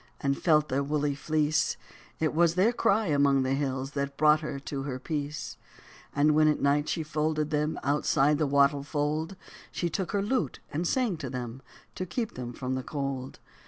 And felt their woolly fleece ; It was their cry among the hills That brought her to her peace. 69 And when at night she folded them, Outside the wattle fold She took her lute and sang to them To keep them from the cold.